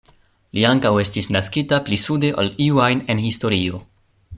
Li ankaŭ estis naskita pli sude ol iu ajn en historio.